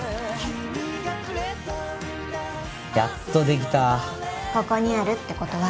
やっとできたここにあるってことは